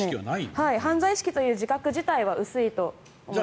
犯罪意識という自覚自体は薄いと思いますね。